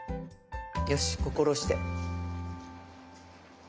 よし心して。